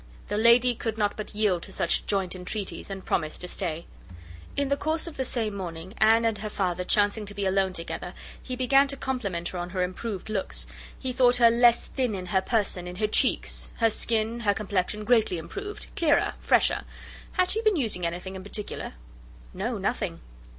The lady could not but yield to such joint entreaties, and promise to stay. In the course of the same morning, Anne and her father chancing to be alone together, he began to compliment her on her improved looks; he thought her "less thin in her person, in her cheeks; her skin, her complexion, greatly improved; clearer, fresher. Had she been using any thing in particular?" "No, nothing."